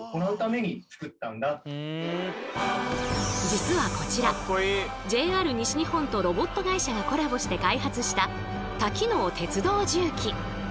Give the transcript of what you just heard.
実はこちらＪＲ西日本とロボット会社がコラボして開発した多機能鉄道重機。